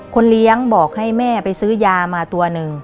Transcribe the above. เลี้ยงบอกให้แม่ไปซื้อยามาตัวหนึ่ง